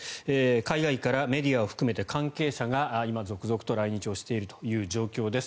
海外からメディアを含めて関係者が今、続々と来日をしているという状況です。